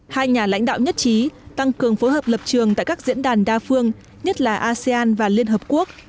hai nhà lãnh đạo nhất trí tăng cường phối hợp lập trường tại các diễn đàn đa phương nhất là asean và liên hợp quốc